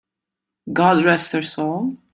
God rest her soul!